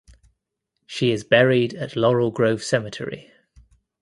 She is buried at Laurel Grove Cemetery.